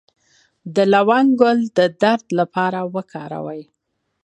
د لونګ ګل د درد لپاره وکاروئ